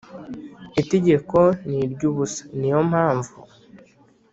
Itegeko ni iry ubusa Ni yo mpamvu